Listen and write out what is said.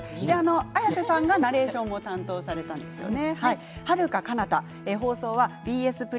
綾瀬さんがナレーションも担当されたんですよね。